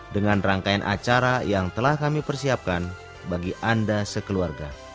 dengan rangkaian acara yang telah kami persiapkan bagi anda sekeluarga